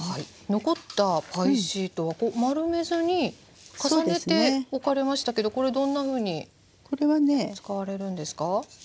残ったパイシートは丸めずに重ねて置かれましたけどこれどんなふうに使われるんですか？